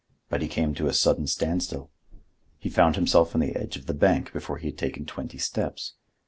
But he came to a sudden standstill. He found himself on the edge of the bank before he had taken twenty steps.